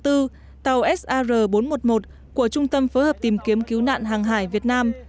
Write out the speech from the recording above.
tàu sar bốn trăm một mươi một của trung tâm phối hợp tìm kiếm cứu nạn hàng hải việt nam